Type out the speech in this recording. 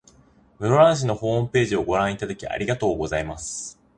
室蘭市のホームページをご覧いただき、ありがとうございます。